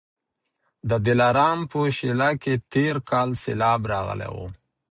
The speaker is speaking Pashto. د دلارام په شېله کي تېر کال سېلاب راغلی و